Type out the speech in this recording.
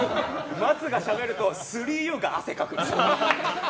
松がしゃべるとすりゆが汗をかくんです。